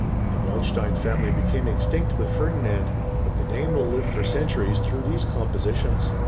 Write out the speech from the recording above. The Waldstein family became extinct with Ferdinand, but the name will live for centuries through these compositions.